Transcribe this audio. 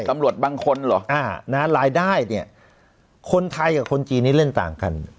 ตำรวจบางคนเหรอรายได้เนี่ยคนไทยกับคนจีนนี้เล่นต่างกัน